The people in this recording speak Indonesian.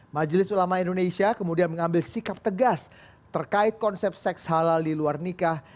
majelis ulama indonesia kemudian mengambil sikap tegas terkait konsep seks halal di luar nikah